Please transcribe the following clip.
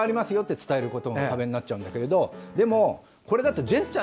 伝えることの壁になっちゃうんだけれどでも、これだとジェスチャー。